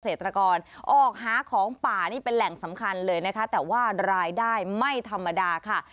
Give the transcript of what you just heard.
เศรษฐกรออกหาของป่านี่เป็นแหล่งสำคัญเลยนะคะแต่ว่ารายได้ไม่ธรรมดาค่ะ